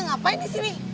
ngapain di sini